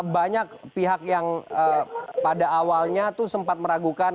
banyak pihak yang pada awalnya itu sempat meragukan